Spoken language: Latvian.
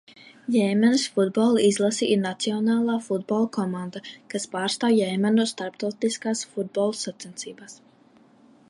Jemenas futbola izlase ir nacionālā futbola komanda, kas pārstāv Jemenu starptautiskās futbola sacensībās.